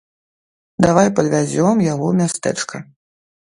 Давай падвязём яго ў мястэчка.